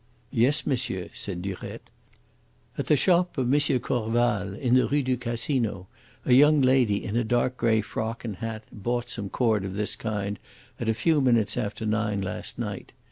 "Yes, monsieur," said Durette. "At the shop of M. Corval, in the Rue du Casino, a young lady in a dark grey frock and hat bought some cord of this kind at a few minutes after nine last night.